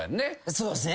そうですね。